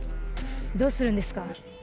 どうするんですか？